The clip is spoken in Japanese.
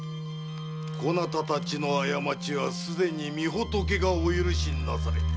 こなたたちの過ちはすでに御仏がお許しなされた。